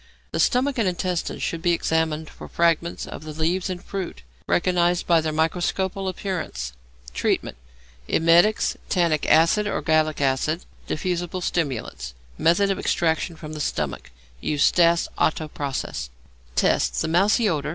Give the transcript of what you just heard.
The stomach and intestines should be examined for fragments of the leaves and fruit, recognized by their microscopical appearances. Treatment. Emetics, tannic acid or gallic acid. Diffusible stimulants. Method of Extraction from the Stomach. Use Stas Otto process. Tests. The mousy odour.